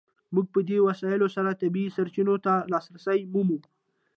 موږ په دې وسایلو سره طبیعي سرچینو ته لاسرسی مومو.